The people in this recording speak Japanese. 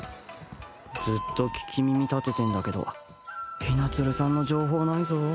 ずっと聞き耳立ててんだけど雛鶴さんの情報ないぞ